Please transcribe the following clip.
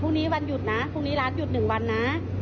พรุ่งนี้วันหยุดนะพรุ่งนี้ร้านหยุดหนึ่งวันนะ